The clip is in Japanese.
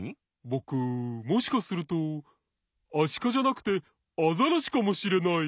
ぼくもしかするとアシカじゃなくてアザラシかもしれない。